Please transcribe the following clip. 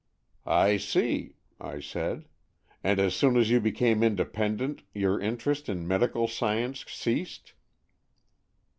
" I see," I said. "And as soon as you be came independent, your interest in medical science ceased."